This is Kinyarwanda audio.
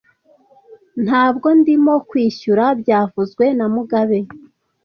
Ntabwo ndimo kwishyura byavuzwe na mugabe